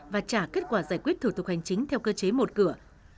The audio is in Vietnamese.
và trả kết quả giải quyết thủ tục hành chính theo cơ chế một cửa